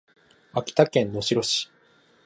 秋田県能代市